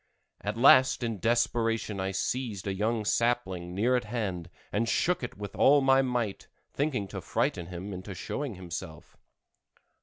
At last in desperation I seized a young sapling near at hand and shook it with all my might, thinking to frighten him into showing himself.